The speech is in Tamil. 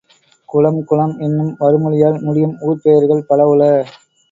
குளம் குளம் என்னும் வருமொழியால் முடியும் ஊர்ப் பெயர்களும் பல உள.